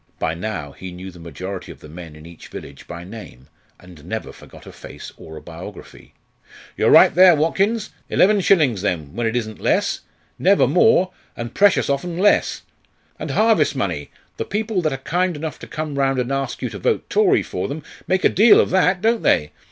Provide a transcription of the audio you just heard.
By now he knew the majority of the men in each village by name, and never forgot a face or a biography. "You're right there, Watkins. Eleven shillings, then, when it isn't less, never more, and precious often less; and harvest money the people that are kind enough to come round and ask you to vote Tory for them make a deal of that, don't they?